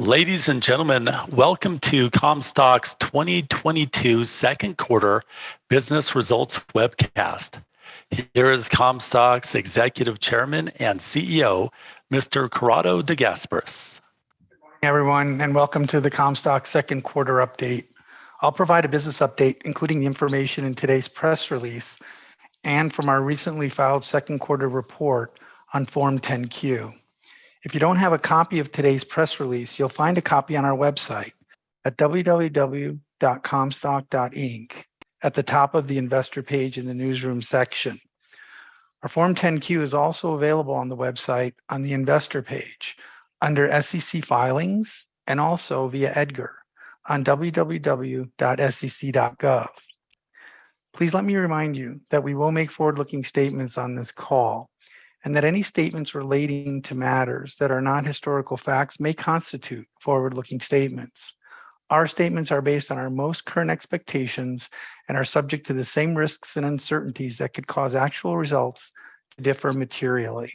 Ladies and gentlemen, welcome to Comstock's 2022 Q2 business results webcast. Here is Comstock's Executive Chairman and Chief Executive Officer, Mr. Corrado De Gasperis. Good morning, everyone, and welcome to the Comstock Q2 update. I'll provide a business update, including the information in today's press release and from our recently filed Q2 report on Form 10-Q. If you don't have a copy of today's press release, you'll find a copy on our website at www.comstock.inc at the top of the investor page in the newsroom section. Our Form 10-Q is also available on the website on the investor page under SEC Filings and also via EDGAR on www.sec.gov. Please let me remind you that we will make forward-looking statements on this call and that any statements relating to matters that are not historical facts may constitute forward-looking statements. Our statements are based on our most current expectations and are subject to the same risks and uncertainties that could cause actual results to differ materially.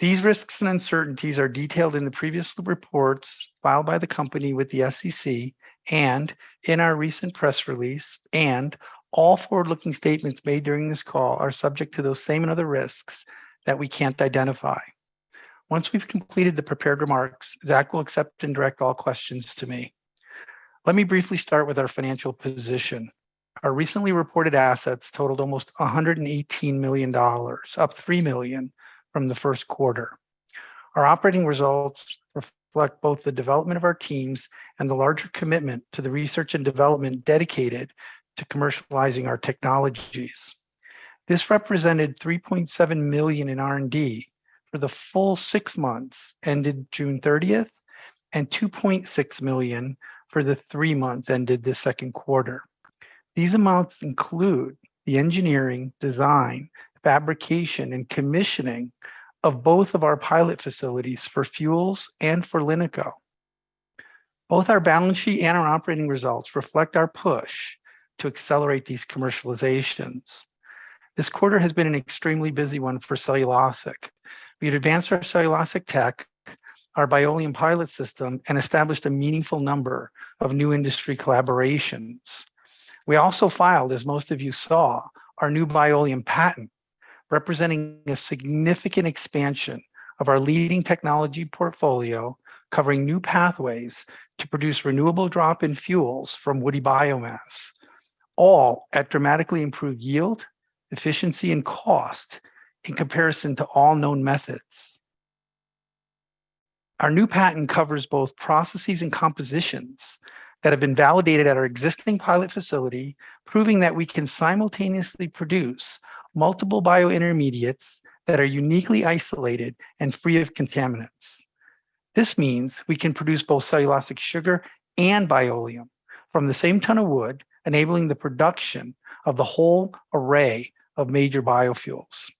These risks and uncertainties are detailed in the previous reports filed by the company with the SEC and in our recent press release, and all forward-looking statements made during this call are subject to those same and other risks that we can't identify. Once we've completed the prepared remarks, Zach will accept and direct all questions to me. Let me briefly start with our financial position. Our recently reported assets totaled almost $118 million, up $3 million from the Q1. Our operating results reflect both the development of our teams and the larger commitment to the research and development dedicated to commercializing our technologies. This represented $3.7 million in R&D for the full six months ended June 30 and $2.6 million for the three months ended the Q2. These amounts include the engineering, design, fabrication, and commissioning of both of our pilot facilities for fuels and for LiNiCo. Both our balance sheet and our operating results reflect our push to accelerate these commercializations. This quarter has been an extremely busy one for cellulosic. We had advanced our cellulosic tech, our Bioleum pilot system, and established a meaningful number of new industry collaborations. We also filed, as most of you saw, our new Bioleum patent, representing a significant expansion of our leading technology portfolio, covering new pathways to produce renewable drop-in fuels from woody biomass, all at dramatically improved yield, efficiency, and cost in comparison to all known methods. Our new patent covers both processes and compositions that have been validated at our existing pilot facility, proving that we can simultaneously produce multiple biointermediates that are uniquely isolated and free of contaminants. This means we can produce both cellulosic sugar and Bioleum from the same ton of wood, enabling the production of the whole array of major biofuels.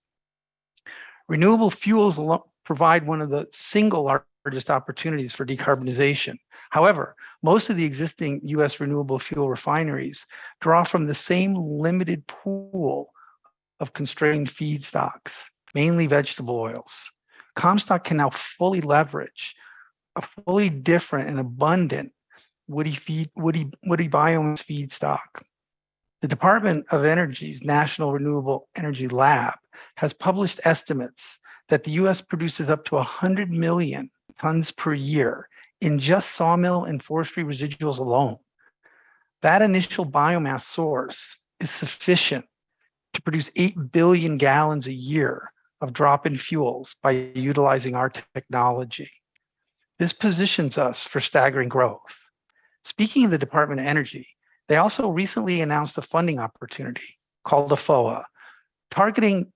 Renewable fuels provide one of the single largest opportunities for decarbonization. However, most of the existing U.S. renewable fuel refineries draw from the same limited pool of constrained feedstocks, mainly vegetable oils. Comstock can now fully leverage a wholly different and abundant woody biomass feedstock. The Department of Energy's National Renewable Energy Lab has published estimates that the U.S. produces up to 100 million tons per year in just sawmill and forestry residuals alone. That initial biomass source is sufficient to produce 8 billion gallon a year of drop-in fuels by utilizing our technology. This positions us for staggering growth. Speaking of the Department of Energy, they also recently announced a funding opportunity called a FOA, targeting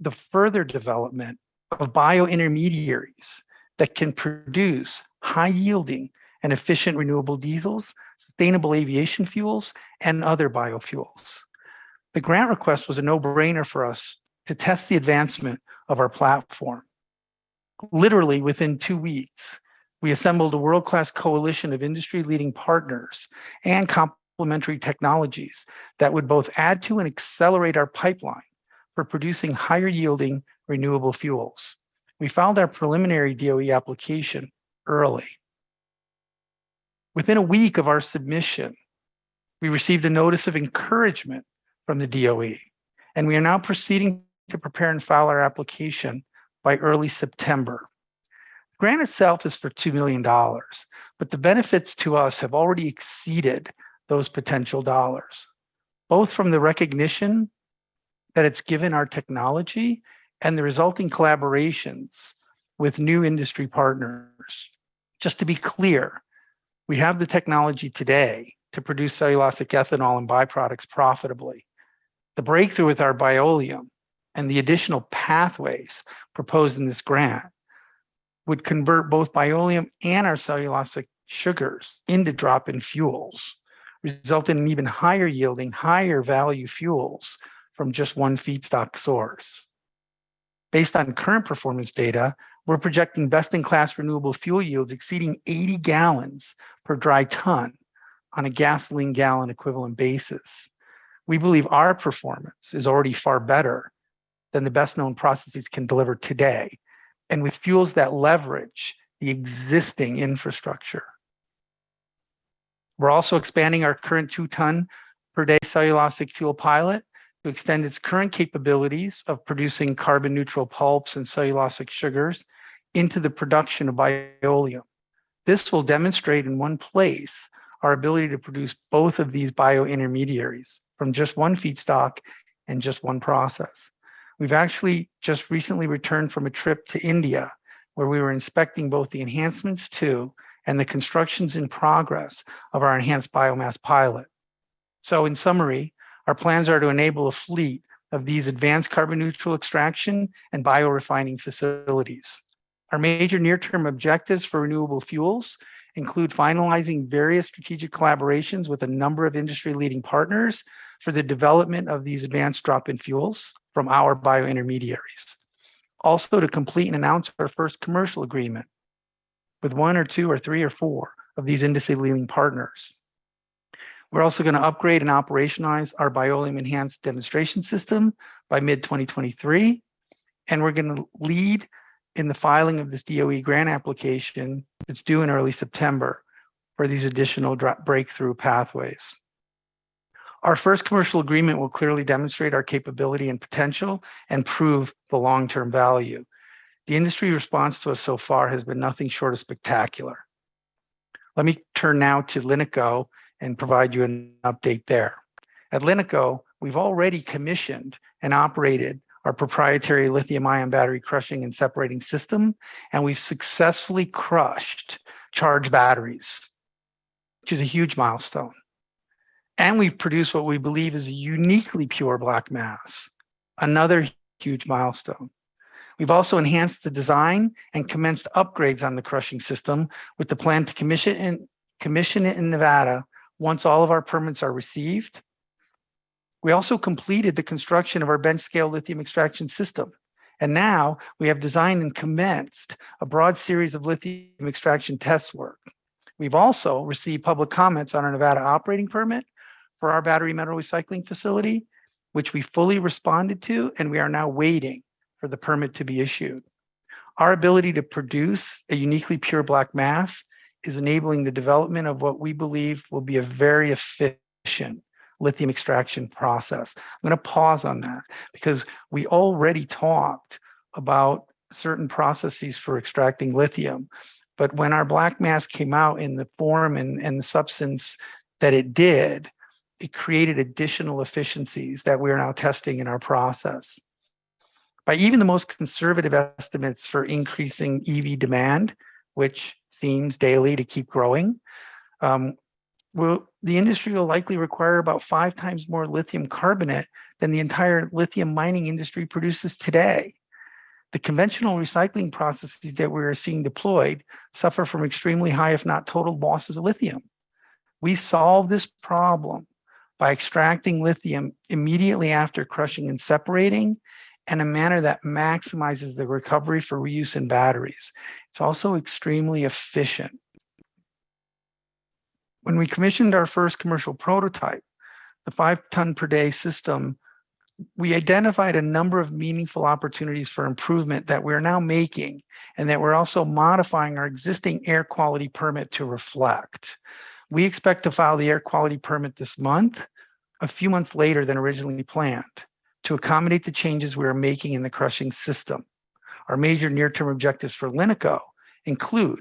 the further development of biointermediates that can produce high-yielding and efficient renewable diesels, sustainable aviation fuels, and other biofuels. The grant request was a no-brainer for us to test the advancement of our platform. Literally within two weeks, we assembled a world-class coalition of industry leading partners and complementary technologies that would both add to and accelerate our pipeline for producing higher yielding renewable fuels. We filed our preliminary DOE application early. Within a week of our submission, we received a notice of encouragement from the DOE, and we are now proceeding to prepare and file our application by early September. The grant itself is for $2 million, but the benefits to us have already exceeded those potential dollars, both from the recognition that it's given our technology and the resulting collaborations with new industry partners. Just to be clear, we have the technology today to produce cellulosic ethanol and byproducts profitably. The breakthrough with our Bioleum and the additional pathways proposed in this grant would convert both Bioleum and our cellulosic sugars into drop-in fuels, resulting in even higher yielding, higher value fuels from just one feedstock source. Based on current performance data, we're projecting best-in-class renewable fuel yields exceeding 80 gal per dry ton on a gasoline gallon equivalent basis. We believe our performance is already far better than the best-known processes can deliver today and with fuels that leverage the existing infrastructure. We're also expanding our current 2-ton per day cellulosic fuel pilot to extend its current capabilities of producing carbon neutral pulps and cellulosic sugars into the production of Bioleum. This will demonstrate in one place our ability to produce both of these biointermediates from just one feedstock and just one process. We've actually just recently returned from a trip to India, where we were inspecting both the enhancements to and the constructions in progress of our enhanced biomass pilot. In summary, our plans are to enable a fleet of these advanced carbon neutral extraction and biorefining facilities. Our major near term objectives for renewable fuels include finalizing various strategic collaborations with a number of industry leading partners for the development of these advanced drop-in fuels from our biointermediates. Also, to complete and announce our first commercial agreement with one or two or three or four of these industry leading partners. We're also gonna upgrade and operationalize our Bioleum enhanced demonstration system by mid-2023, and we're gonna lead in the filing of this DOE grant application that's due in early September for these additional breakthrough pathways. Our first commercial agreement will clearly demonstrate our capability and potential and prove the long-term value. The industry response to us so far has been nothing short of spectacular. Let me turn now to LiNiCo and provide you an update there. At LiNiCo, we've already commissioned and operated our proprietary lithium-ion battery crushing and separating system, and we've successfully crushed charged batteries, which is a huge milestone. We've produced what we believe is a uniquely pure black mass, another huge milestone. We've also enhanced the design and commenced upgrades on the crushing system with the plan to commission it in Nevada once all of our permits are received. We also completed the construction of our bench scale lithium extraction system, and now we have designed and commenced a broad series of lithium extraction test work. We've also received public comments on our Nevada operating permit for our battery metal recycling facility, which we fully responded to, and we are now waiting for the permit to be issued. Our ability to produce a uniquely pure black mass is enabling the development of what we believe will be a very efficient lithium extraction process. I'm gonna pause on that because we already talked about certain processes for extracting lithium. When our black mass came out in the form and the substance that it did, it created additional efficiencies that we are now testing in our process. By even the most conservative estimates for increasing EV demand, which seems daily to keep growing, the industry will likely require about 5x more lithium carbonate than the entire lithium mining industry produces today. The conventional recycling processes that we're seeing deployed suffer from extremely high, if not total losses of lithium. We solve this problem by extracting lithium immediately after crushing and separating in a manner that maximizes the recovery for reuse in batteries. It's also extremely efficient. When we commissioned our first commercial prototype, the 5-ton-per-day system, we identified a number of meaningful opportunities for improvement that we're now making and that we're also modifying our existing air quality permit to reflect. We expect to file the air quality permit this month, a few months later than originally planned, to accommodate the changes we are making in the crushing system. Our major near term objectives for LiNiCo include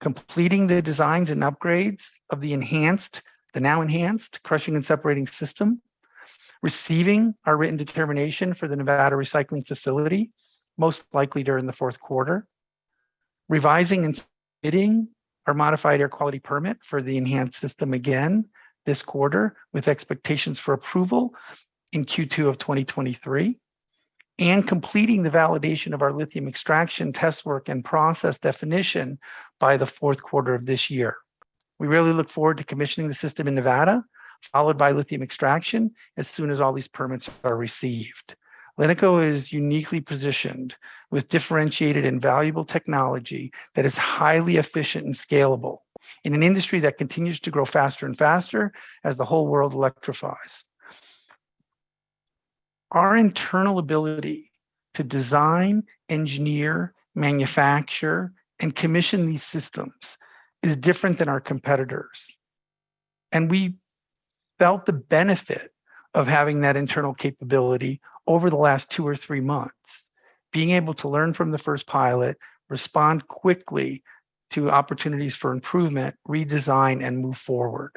completing the designs and upgrades of the now enhanced crushing and separating system, receiving our written determination for the Nevada recycling facility, most likely during the Q4, revising and submitting our modified air quality permit for the enhanced system again this quarter, with expectations for approval in Q2 of 2023, and completing the validation of our lithium extraction test work and process definition by the Q4 of this year. We really look forward to commissioning the system in Nevada, followed by lithium extraction as soon as all these permits are received. LiNiCo is uniquely positioned with differentiated and valuable technology that is highly efficient and scalable in an industry that continues to grow faster and faster as the whole world electrifies. Our internal ability to design, engineer, manufacture, and commission these systems is different than our competitors'. We felt the benefit of having that internal capability over the last two or three months. Being able to learn from the first pilot, respond quickly to opportunities for improvement, redesign, and move forward.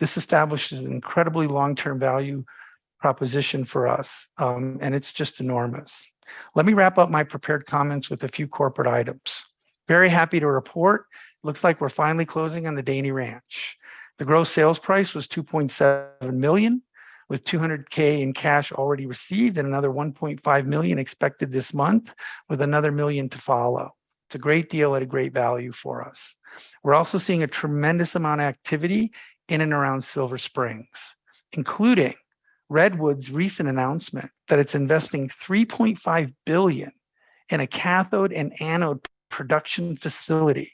This establishes an incredibly long-term value proposition for us, and it's just enormous. Let me wrap up my prepared comments with a few corporate items. Very happy to report, looks like we're finally closing on the Daney Ranch. The gross sales price was $2.7 million, with $20,000 in cash already received and another $1.5 million expected this month, with another $1 million to follow. It's a great deal at a great value for us. We're also seeing a tremendous amount of activity in and around Silver Springs, including Redwood's recent announcement that it's investing $3.5 billion in a cathode and anode production facility.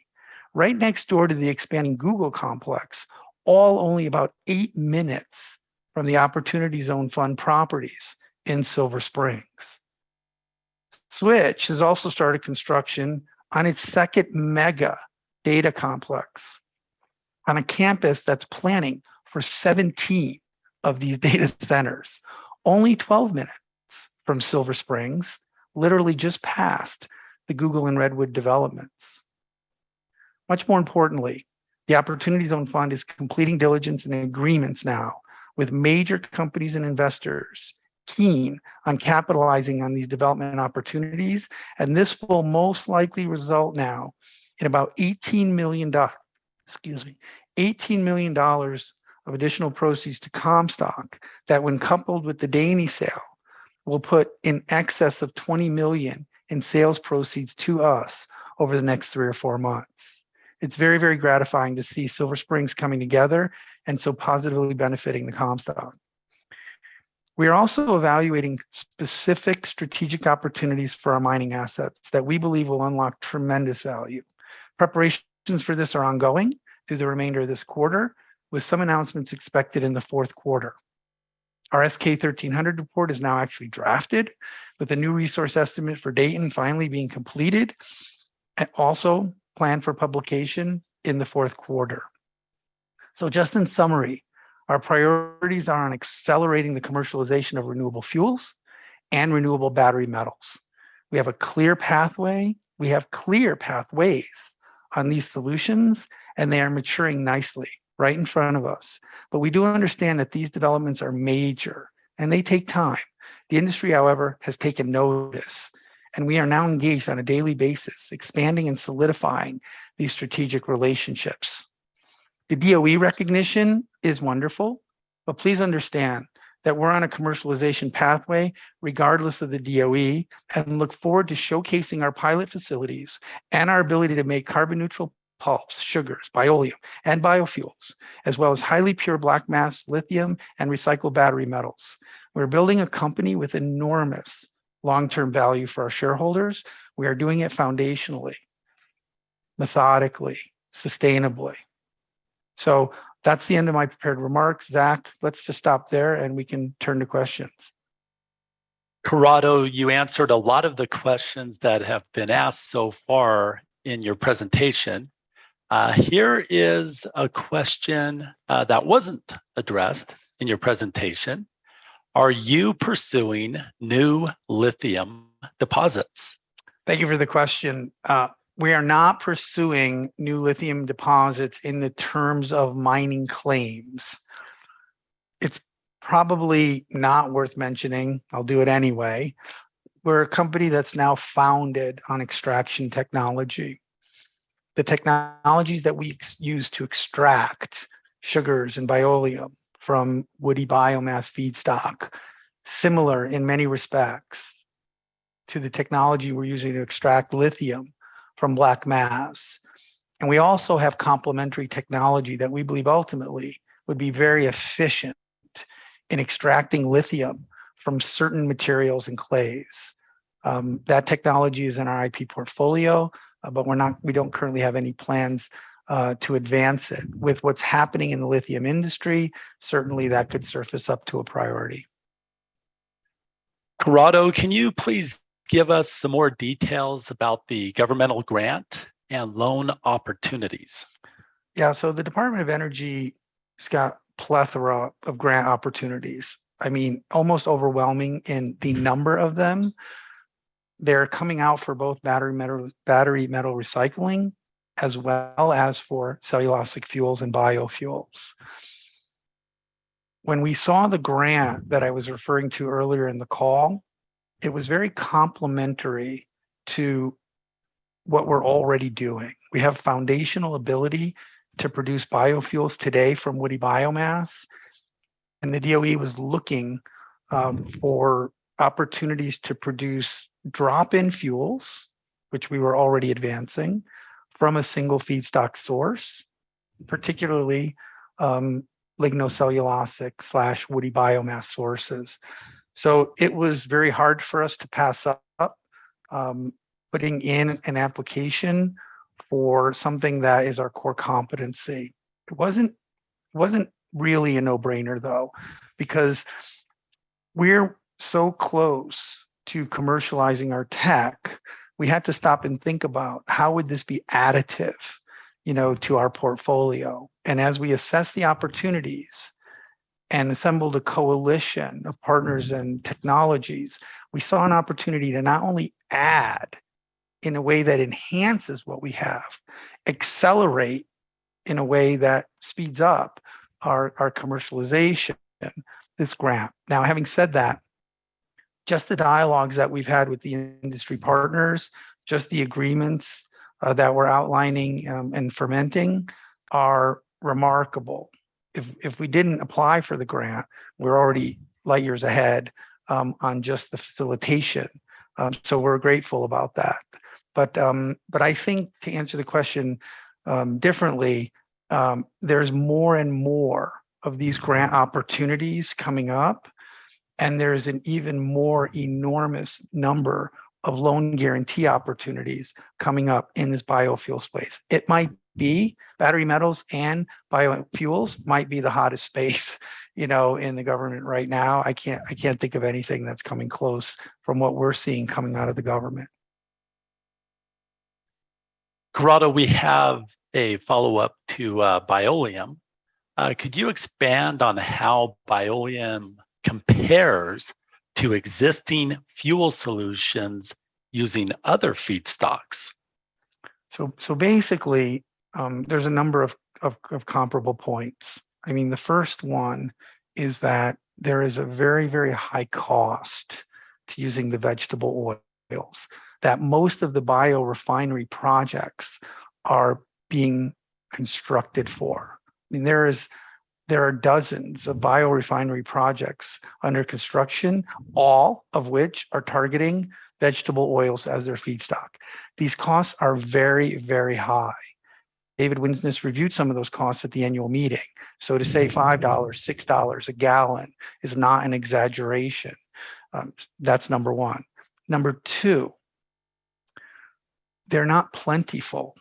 Right next door to the expanding Google complex, all only about eight minutes from the Opportunity Zone Fund properties in Silver Springs. Switch has also started construction on its second mega data complex on a campus that's planning for 17 of these data centers, only 12 minutes from Silver Springs, literally just past the Google and Redwood developments. Much more importantly, the Opportunity Zone Fund is completing diligence and agreements now with major companies and investors keen on capitalizing on these development and opportunities, and this will most likely result now in about $18 million of additional proceeds to Comstock that when coupled with the Daney sale, will put in excess of $20 million in sales proceeds to us over the next three or four months. It's very gratifying to see Silver Springs coming together and so positively benefiting the Comstock. We are also evaluating specific strategic opportunities for our mining assets that we believe will unlock tremendous value. Preparations for this are ongoing through the remainder of this quarter, with some announcements expected in the Q4. Our S-K 1300 report is now actually drafted with a new resource estimate for Dayton finally being completed and also planned for publication in the Q4. Just in summary, our priorities are on accelerating the commercialization of renewable fuels and renewable battery metals. We have a clear pathway. We have clear pathways on these solutions, and they are maturing nicely right in front of us. We do understand that these developments are major, and they take time. The industry, however, has taken notice, and we are now engaged on a daily basis, expanding and solidifying these strategic relationships. The DOE recognition is wonderful, but please understand that we're on a commercialization pathway regardless of the DOE and look forward to showcasing our pilot facilities and our ability to make carbon neutral pulps, sugars, Bioleum, and biofuels, as well as highly pure black mass lithium and recycled battery metals. We're building a company with enormous long-term value for our shareholders. We are doing it foundationally, methodically, sustainably. That's the end of my prepared remarks. Zach, let's just stop there, and we can turn to questions. Corrado, you answered a lot of the questions that have been asked so far in your presentation. Here is a question that wasn't addressed in your presentation. Are you pursuing new lithium deposits? Thank you for the question. We are not pursuing new lithium deposits in the terms of mining claims. It's probably not worth mentioning. I'll do it anyway. We're a company that's now founded on extraction technology. The technologies that we use to extract sugars and Bioleum from woody biomass feedstock, similar in many respects to the technology we're using to extract lithium from black mass. We also have complementary technology that we believe ultimately would be very efficient in extracting lithium from certain materials and clays. That technology is in our IP portfolio, but we don't currently have any plans to advance it. With what's happening in the lithium industry, certainly that could surface up to a priority. Corrado, can you please give us some more details about the governmental grant and loan opportunities? Yeah. The Department of Energy has got plethora of grant opportunities. I mean, almost overwhelming in the number of them. They're coming out for both battery metal recycling as well as for cellulosic fuels and biofuels. When we saw the grant that I was referring to earlier in the call, it was very complementary to what we're already doing. We have foundational ability to produce biofuels today from woody biomass, and the DOE was looking for opportunities to produce drop-in fuels, which we were already advancing from a single feedstock source, particularly lignocellulosic woody biomass sources. It was very hard for us to pass up putting in an application for something that is our core competency. It wasn't really a no-brainer though, because we're so close to commercializing our tech, we had to stop and think about how would this be additive, you know, to our portfolio. As we assess the opportunities and assembled a coalition of partners and technologies, we saw an opportunity to not only add in a way that enhances what we have, accelerate in a way that speeds up our commercialization, this grant. Now, having said that, just the dialogues that we've had with the industry partners, just the agreements that we're outlining and forming are remarkable. If we didn't apply for the grant, we're already light years ahead on just the facilitation, so we're grateful about that. I think to answer the question differently, there's more and more of these grant opportunities coming up. There is an even more enormous number of loan guarantee opportunities coming up in this biofuel space. It might be battery metals and biofuels might be the hottest space you know, in the government right now. I can't think of anything that's coming close from what we're seeing coming out of the government. Corrado, we have a follow-up to Bioleum. Could you expand on how Bioleum compares to existing fuel solutions using other feedstocks? Basically, there's a number of comparable points. I mean, the first one is that there is a very high cost to using the vegetable oils that most of the biorefinery projects are being constructed for. I mean, there are dozens of biorefinery projects under construction, all of which are targeting vegetable oils as their feedstock. These costs are very high. David Winsness reviewed some of those costs at the annual meeting. To say $5, $6 a gallon is not an exaggeration. That's number one. Number two, they're not plentiful.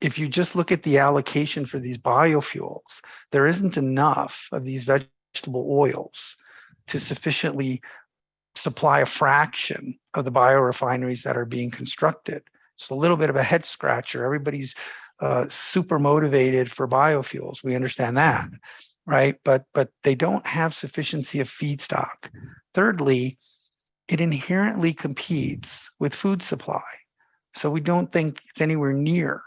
If you just look at the allocation for these biofuels, there isn't enough of these vegetable oils to sufficiently supply a fraction of the biorefineries that are being constructed. It's a little bit of a head-scratcher. Everybody's super motivated for biofuels. We understand that, right? They don't have sufficiency of feedstock. Thirdly, it inherently competes with food supply. We don't think it's anywhere near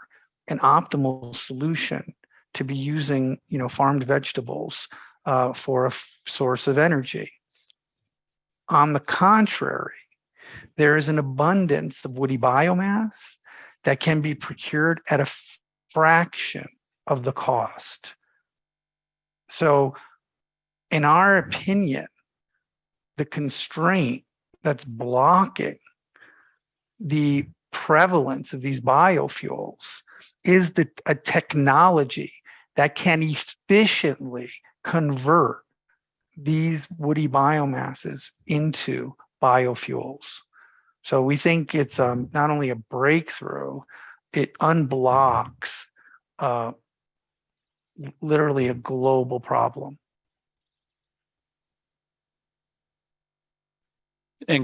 an optimal solution to be using, you know, farmed vegetables for a source of energy. On the contrary, there is an abundance of woody biomass that can be procured at a fraction of the cost. In our opinion, the constraint that's blocking the prevalence of these biofuels is a technology that can efficiently convert these woody biomasses into biofuels. We think it's not only a breakthrough, it unblocks literally a global problem.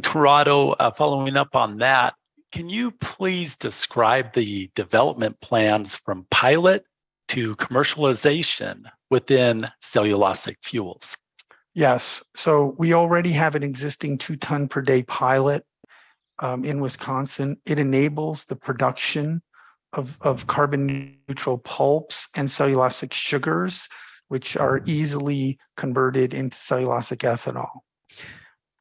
Corrado, following up on that, can you please describe the development plans from pilot to commercialization within cellulosic fuels? Yes. We already have an existing 2-ton-per-day pilot in Wisconsin. It enables the production of carbon neutral pulps and cellulosic sugars, which are easily converted into cellulosic ethanol.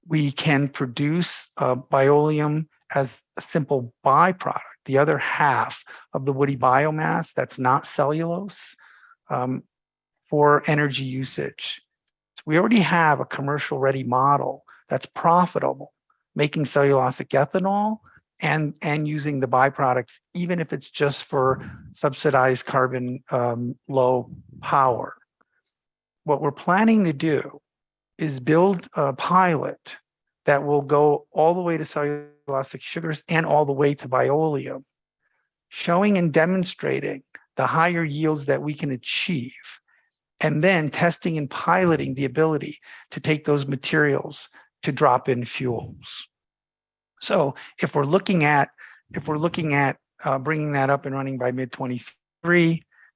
We can produce Bioleum as a simple byproduct, the other half of the woody biomass that's not cellulose for energy usage. We already have a commercial-ready model that's profitable making cellulosic ethanol and using the byproducts, even if it's just for subsidized carbon low power. What we're planning to do is build a pilot that will go all the way to cellulosic sugars and all the way to Bioleum, showing and demonstrating the higher yields that we can achieve, and then testing and piloting the ability to take those materials to drop-in fuels. If we're looking at bringing that up and running by mid-2023,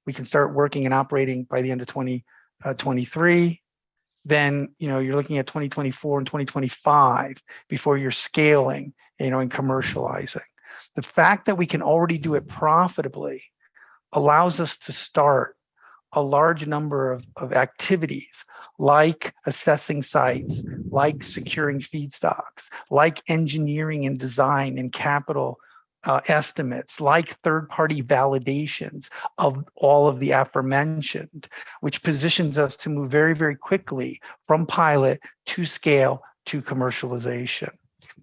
we can start working and operating by the end of 2023, then, you know, you're looking at 2024 and 2025 before you're scaling, you know, and commercializing. The fact that we can already do it profitably allows us to start a large number of activities like assessing sites, like securing feedstocks, like engineering and design and capital estimates, like third-party validations of all of the aforementioned, which positions us to move very quickly from pilot to scale to commercialization.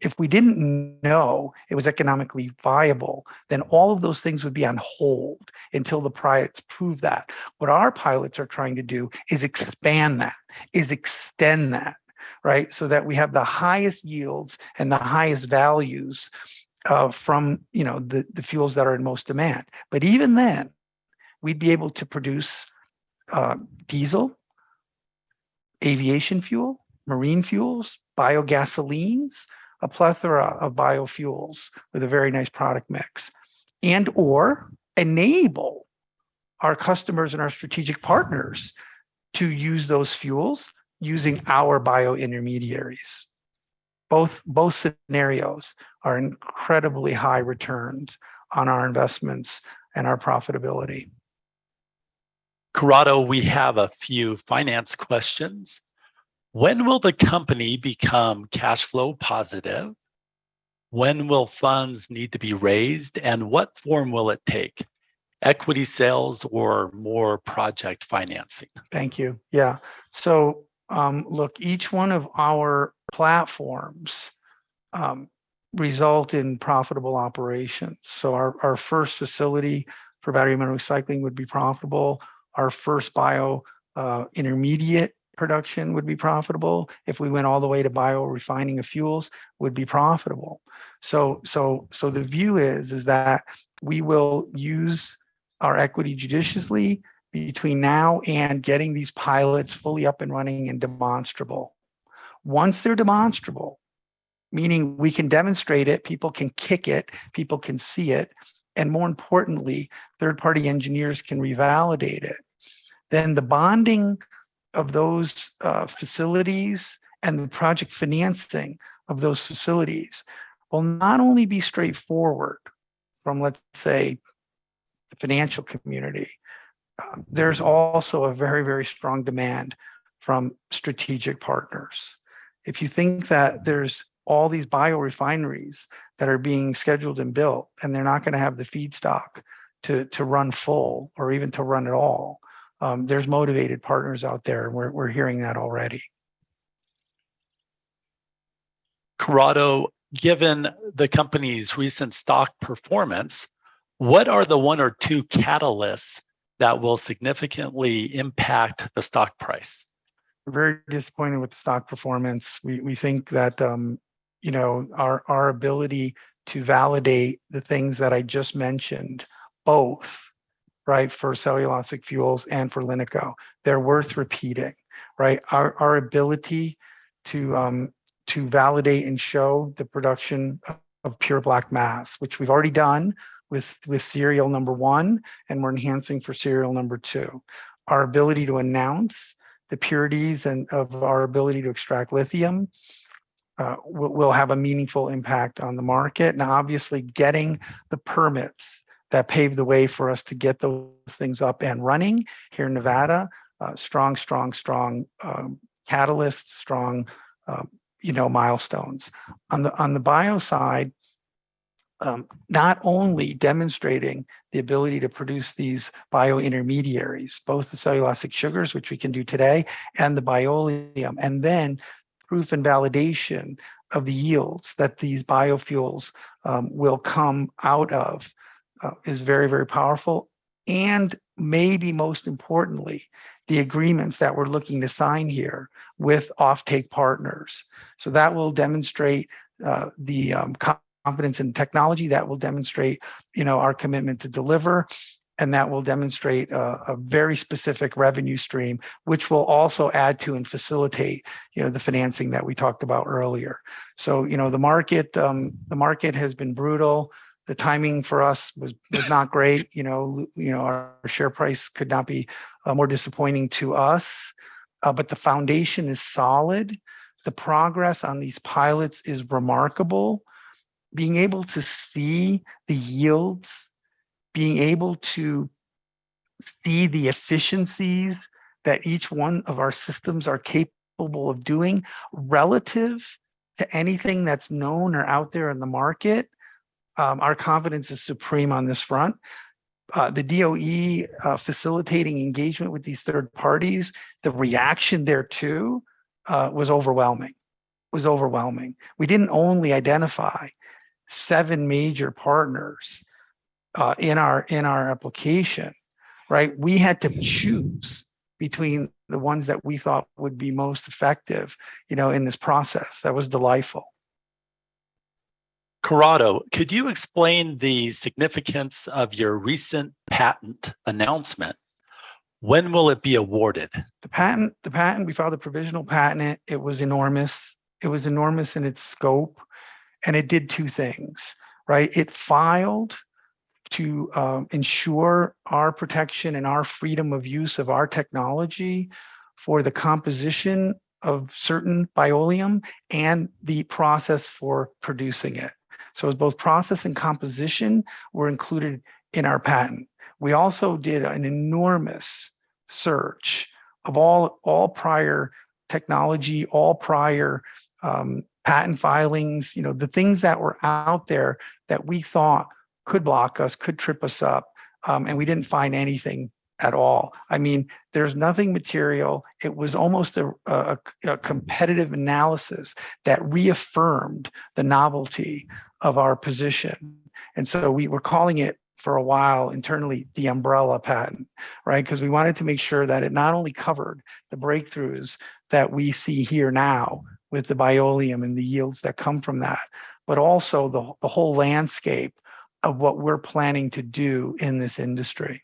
If we didn't know it was economically viable, all of those things would be on hold until the pilots prove that. What our pilots are trying to do is expand that, extend that, right? that we have the highest yields and the highest values from you know the fuels that are in most demand. Even then we'd be able to produce diesel, aviation fuel, marine fuels, biogasolines, a plethora of biofuels with a very nice product mix, and/or enable our customers and our strategic partners to use those fuels using our biointermediates. Both scenarios are incredibly high returns on our investments and our profitability. Corrado, we have a few finance questions. When will the company become cash flow positive? When will funds need to be raised, and what form will it take? Equity sales or more project financing? Thank you. Yeah. Look, each one of our platforms result in profitable operations. Our first facility for battery metal recycling would be profitable. Our first bio intermediate production would be profitable. If we went all the way to biorefining of fuels would be profitable. The view is that we will use our equity judiciously between now and getting these pilots fully up and running and demonstrable. Once they're demonstrable, meaning we can demonstrate it, people can kick it, people can see it, and more importantly, third-party engineers can revalidate it, then the bonding of those facilities and the project financing of those facilities will not only be straightforward from, let's say, the financial community, there's also a very strong demand from strategic partners. If you think that there's all these biorefineries that are being scheduled and built, and they're not gonna have the feedstock to run full or even to run at all, there's motivated partners out there. We're hearing that already. Corrado, given the company's recent stock performance, what are the one or two catalysts that will significantly impact the stock price? We're very disappointed with the stock performance. We think that, you know, our ability to validate the things that I just mentioned both, right, for cellulosic fuels and for LiNiCo, they're worth repeating, right? Our ability to validate and show the production of pure black mass, which we've already done with serial number one, and we're enhancing for serial number two. Our ability to announce the purities and of our ability to extract lithium, will have a meaningful impact on the market. Now, obviously getting the permits that pave the way for us to get those things up and running here in Nevada, strong catalyst, strong, you know, milestones. On the bio side, not only demonstrating the ability to produce these biointermediates, both the cellulosic sugars, which we can do today, and the Bioleum, and then proof and validation of the yields that these biofuels will come out of is very powerful and maybe most importantly, the agreements that we're looking to sign here with offtake partners. That will demonstrate the confidence and technology that will demonstrate, you know, our commitment to deliver, and that will demonstrate a very specific revenue stream, which will also add to and facilitate, you know, the financing that we talked about earlier. You know, the market has been brutal. The timing for us was not great. You know, our share price could not be more disappointing to us, but the foundation is solid. The progress on these pilots is remarkable. Being able to see the yields, being able to see the efficiencies that each one of our systems are capable of doing relative to anything that's known or out there in the market, our confidence is supreme on this front. The DOE facilitating engagement with these third parties, the reaction thereto, was overwhelming. We didn't only identify seven major partners in our application, right? We had to choose between the ones that we thought would be most effective, you know, in this process. That was delightful. Corrado, could you explain the significance of your recent patent announcement? When will it be awarded? The patent, we filed a provisional patent. It was enormous. It was enormous in its scope, and it did two things, right? It filed to ensure our protection and our freedom of use of our technology for the composition of certain Bioleum and the process for producing it. So it was both process and composition were included in our patent. We also did an enormous search of all prior technology, all prior patent filings, you know, the things that were out there that we thought could block us, could trip us up, and we didn't find anything at all. I mean, there's nothing material. It was almost a competitive analysis that reaffirmed the novelty of our position. We were calling it for a while internally the umbrella patent, right? 'Cause we wanted to make sure that it not only covered the breakthroughs that we see here now with the Bioleum and the yields that come from that, but also the whole landscape of what we're planning to do in this industry.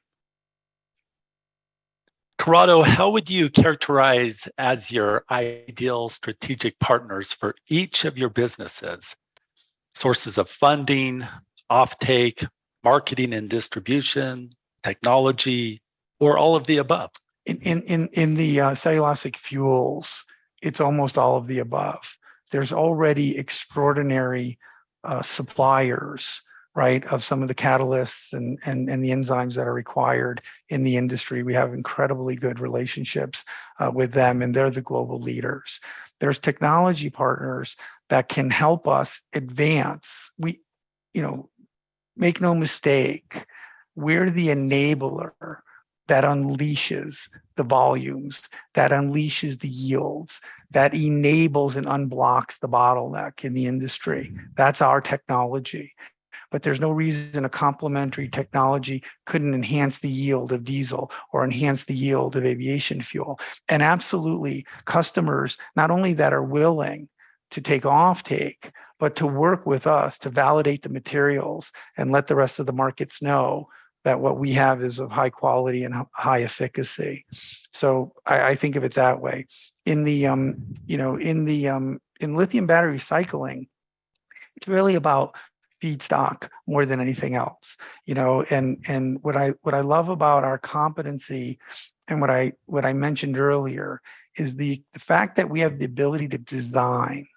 Corrado, how would you characterize your ideal strategic partners for each of your businesses, sources of funding, offtake, marketing and distribution, technology, or all of the above? In the cellulosic fuels, it's almost all of the above. There's already extraordinary suppliers, right, of some of the catalysts and the enzymes that are required in the industry. We have incredibly good relationships with them, and they're the global leaders. There's technology partners that can help us advance. You know, make no mistake, we're the enabler that unleashes the volumes, that unleashes the yields, that enables and unblocks the bottleneck in the industry. That's our technology. There's no reason a complementary technology couldn't enhance the yield of diesel or enhance the yield of aviation fuel. Absolutely, customers not only that are willing to take offtake, but to work with us to validate the materials and let the rest of the markets know that what we have is of high quality and high efficacy. I think of it that way. In lithium battery recycling, it's really about feedstock more than anything else, you know? What I love about our competency and what I mentioned earlier is the fact that we have the ability to design,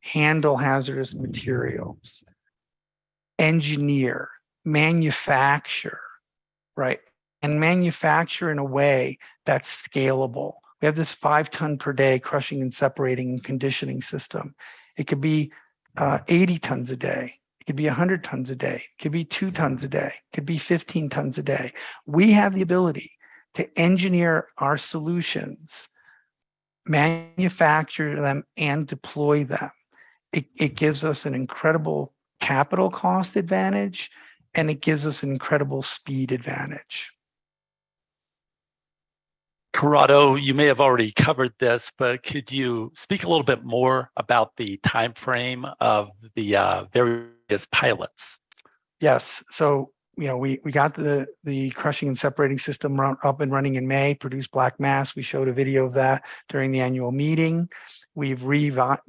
handle hazardous materials, engineer, manufacture, right? Manufacture in a way that's scalable. We have this 5-ton per day crushing and separating and conditioning system. It could be 80 tons a day, it could be 100 tons a day, it could be 2 tons a day, it could be 15 tons a day. We have the ability to engineer our solutions, manufacture them, and deploy them. It gives us an incredible capital cost advantage, and it gives us an incredible speed advantage. Corrado, you may have already covered this, but could you speak a little bit more about the timeframe of the various pilots? Yes. You know, we got the crushing and separating system run up and running in May, produced black mass. We showed a video of that during the annual meeting. We've revised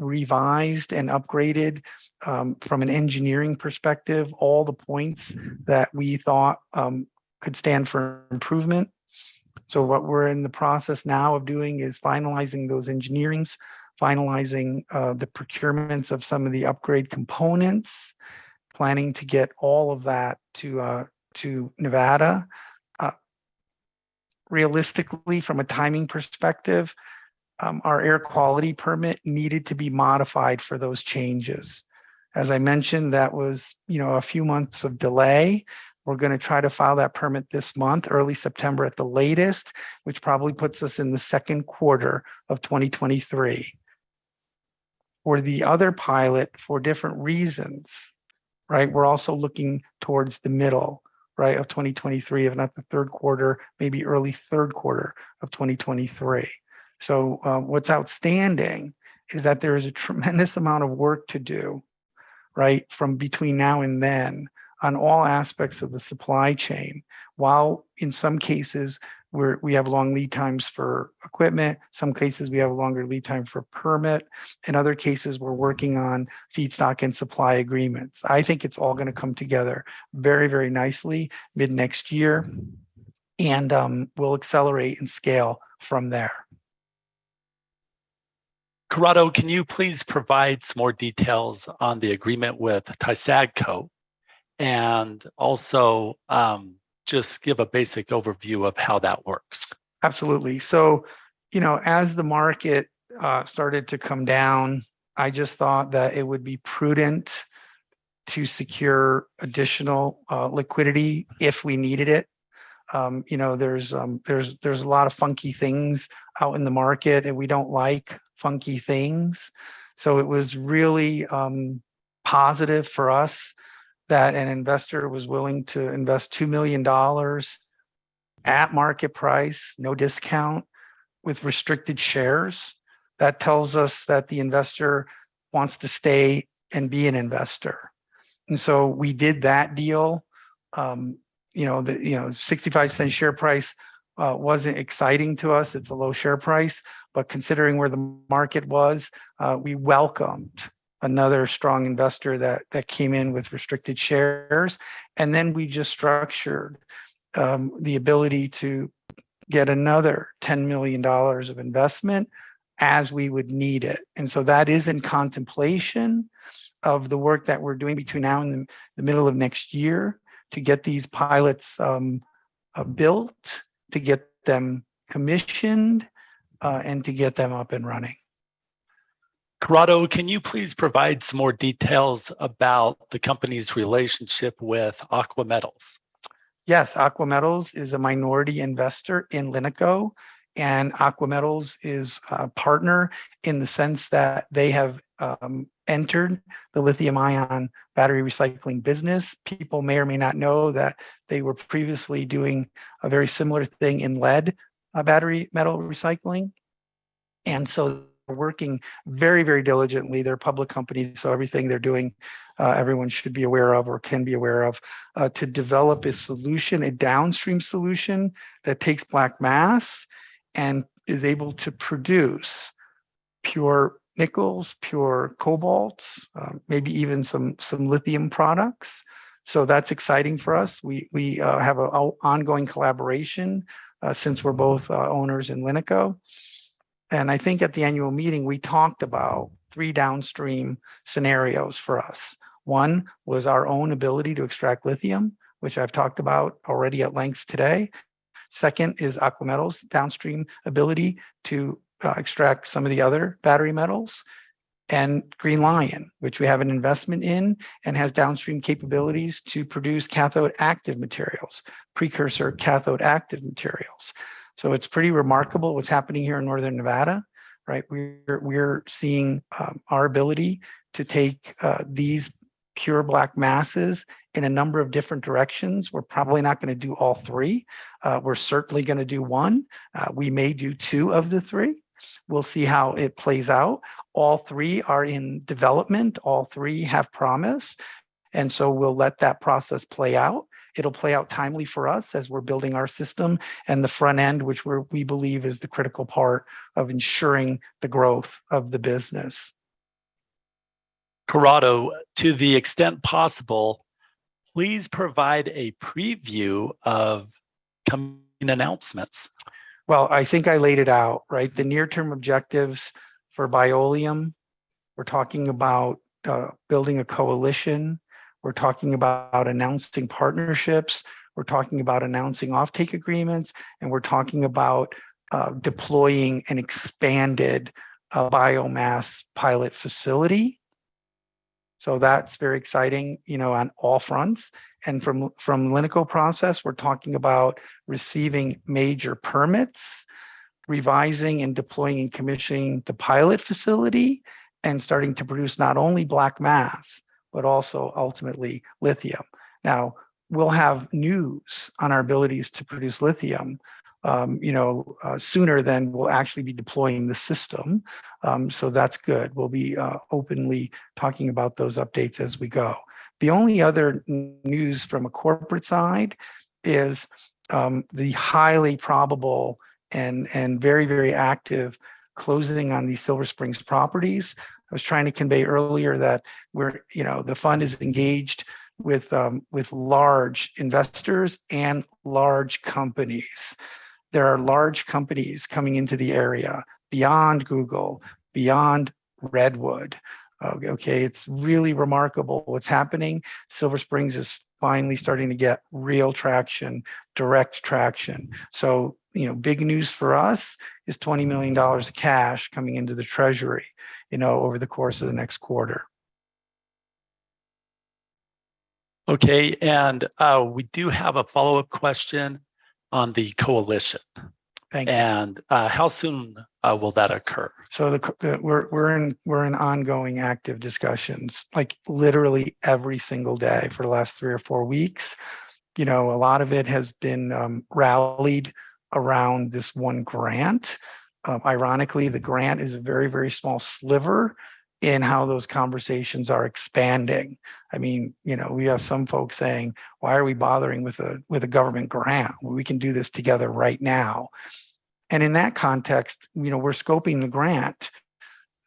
and upgraded from an engineering perspective all the points that we thought could stand for improvement. What we're in the process now of doing is finalizing those engineerings, finalizing the procurements of some of the upgrade components, planning to get all of that to Nevada. Realistically from a timing perspective, our air quality permit needed to be modified for those changes. As I mentioned, that was, you know, a few months of delay. We're gonna try to file that permit this month, early September at the latest, which probably puts us in the Q2 of 2023. For the other pilot, for different reasons, right, we're also looking towards the middle, right, of 2023, if not the Q3, maybe early Q3 of 2023. What's outstanding is that there is a tremendous amount of work to do, right, from between now and then on all aspects of the supply chain. While in some cases we have long lead times for equipment, some cases we have a longer lead time for permit, in other cases, we're working on feedstock and supply agreements. I think it's all gonna come together very nicely mid-next year and we'll accelerate and scale from there. Corrado, can you please provide some more details on the agreement with Tysadco and also, just give a basic overview of how that works? Absolutely. You know, as the market started to come down, I just thought that it would be prudent to secure additional liquidity if we needed it. You know, there's a lot of funky things out in the market, and we don't like funky things. It was really positive for us that an investor was willing to invest $2 million at market price, no discount, with restricted shares. That tells us that the investor wants to stay and be an investor. We did that deal. You know, the $0.65 share price wasn't exciting to us. It's a low share price. Considering where the market was, we welcomed another strong investor that came in with restricted shares, and then we just structured the ability to get another $10 million of investment as we would need it. That is in contemplation of the work that we're doing between now and the middle of next year to get these pilots built, to get them commissioned, and to get them up and running. Corrado, can you please provide some more details about the company's relationship with Aqua Metals? Yes. Aqua Metals is a minority investor in LiNiCo, and Aqua Metals is a partner in the sense that they have entered the lithium ion battery recycling business. People may or may not know that they were previously doing a very similar thing in lead battery metal recycling, and so are working very diligently. They're a public company, so everything they're doing, everyone should be aware of or can be aware of to develop a solution, a downstream solution that takes black mass and is able to produce pure nickels, pure cobalts, maybe even some lithium products. So that's exciting for us. We have an ongoing collaboration since we're both owners in LiNiCo. I think at the annual meeting we talked about three downstream scenarios for us. One was our own ability to extract lithium, which I've talked about already at length today. Second is Aqua Metals' downstream ability to extract some of the other battery metals, and Green Li-ion, which we have an investment in and has downstream capabilities to produce cathode active materials, precursor cathode active materials. It's pretty remarkable what's happening here in Northern Nevada, right? We're seeing our ability to take these pure black masses in a number of different directions. We're probably not gonna do all three. We're certainly gonna do one. We may do two of the three. We'll see how it plays out. All three are in development. All three have promise, and so we'll let that process play out. It'll play out timely for us as we're building our system and the front end, which we believe is the critical part of ensuring the growth of the business. Corrado, to the extent possible, please provide a preview of coming announcements. Well, I think I laid it out, right? The near term objectives for Bioleum, we're talking about building a coalition, we're talking about announcing partnerships, we're talking about announcing offtake agreements, and we're talking about deploying an expanded biomass pilot facility, so that's very exciting, you know, on all fronts. From LiNiCo Process, we're talking about receiving major permits, revising and deploying and commissioning the pilot facility and starting to produce not only black mass, but also ultimately lithium. Now, we'll have news on our abilities to produce lithium, you know, sooner than we'll actually be deploying the system, so that's good. We'll be openly talking about those updates as we go. The only other news from a corporate side is the highly probable and very active closing on the Silver Springs properties. I was trying to convey earlier that we're you know, the fund is engaged with large investors and large companies. There are large companies coming into the area beyond Google, beyond Redwood. Okay, it's really remarkable what's happening. Silver Springs is finally starting to get real traction, direct traction. You know, big news for us is $20 million of cash coming into the treasury, you know, over the course of the next quarter. Okay. We do have a follow-up question on the coalition. Thank you. How soon will that occur? We're in ongoing active discussions, like, literally every single day for the last three or four weeks. You know, a lot of it has been rallied around this one grant. Ironically, the grant is a very small sliver in how those conversations are expanding. I mean, you know, we have some folks saying, "Why are we bothering with a government grant when we can do this together right now?" In that context, you know, we're scoping the grant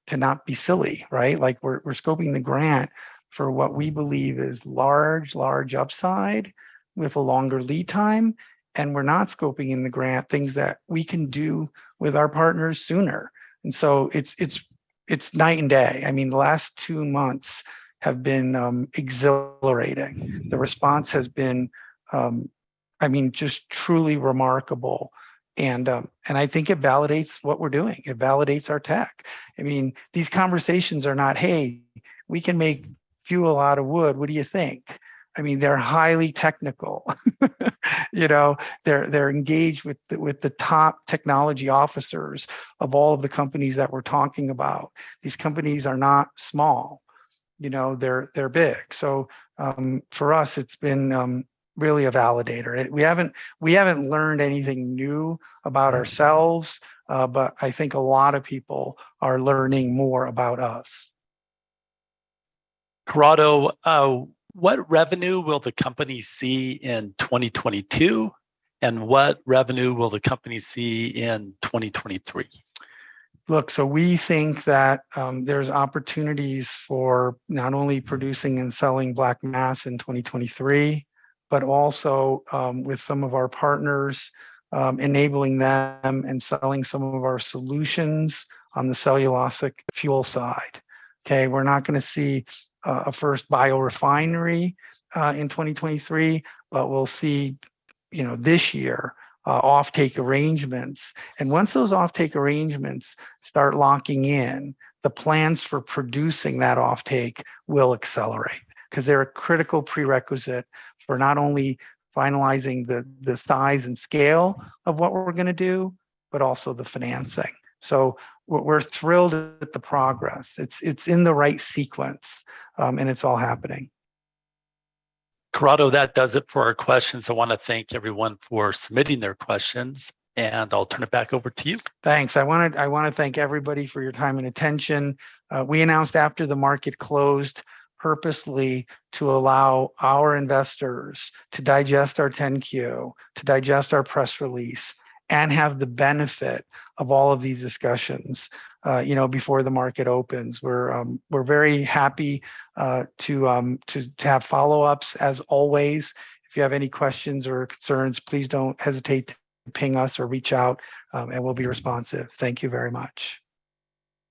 to not be silly, right? Like we're scoping the grant for what we believe is large upside with a longer lead time, and we're not scoping in the grant things that we can do with our partners sooner. It's night and day. I mean, the last two months have been exhilarating. The response has been, I mean, just truly remarkable. I think it validates what we're doing. It validates our tech. I mean, these conversations are not, "Hey, we can make fuel out of wood. What do you think?" I mean, they're highly technical. You know, they're engaged with the top technology officers of all of the companies that we're talking about. These companies are not small, you know? They're big. For us, it's been really a validator. It. We haven't learned anything new about ourselves, but I think a lot of people are learning more about us. Corrado, what revenue will the company see in 2022, and what revenue will the company see in 2023? Look, we think that there's opportunities for not only producing and selling black mass in 2023 but also with some of our partners, enabling them and selling some of our solutions on the cellulosic fuel side. Okay. We're not gonna see a first biorefinery in 2023, but we'll see, you know, this year, offtake arrangements. Once those offtake arrangements start locking in, the plans for producing that offtake will accelerate 'cause they're a critical prerequisite for not only finalizing the size and scale of what we're gonna do but also the financing. We're thrilled at the progress. It's in the right sequence, and it's all happening. Corrado, that does it for our questions. I wanna thank everyone for submitting their questions, and I'll turn it back over to you. Thanks. I wanna thank everybody for your time and attention. We announced after the market closed purposely to allow our investors to digest our 10-Q, to digest our press release and have the benefit of all of these discussions before the market opens. We're very happy to have follow-ups as always. If you have any questions or concerns, please don't hesitate to ping us or reach out, and we'll be responsive. Thank you very much.